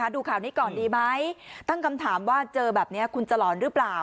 ดูข่าวนี้ก่อนดีไหมตั้งคำถามว่าเจอแบบนี้คุณจะหลอนหรือเปล่า